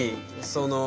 その。